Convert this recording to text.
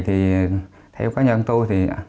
theo cá nhân tôi